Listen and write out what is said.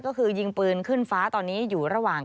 ก็คือยิงปืนขึ้นฟ้าตอนนี้อยู่ระหว่าง